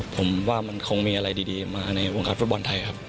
ผมว่ามันคงมีอะไรดีมาในวงการฟุตบอลไทยครับ